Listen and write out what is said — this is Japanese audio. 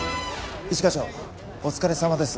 一課長お疲れさまです。